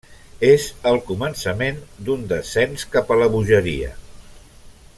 És el començament d'un descens cap a la bogeria.